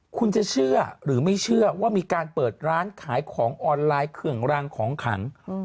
คุณจะเชื่อหรือไม่เชื่อว่ามีการเปิดร้านขายของออนไลน์เครื่องรางของขัง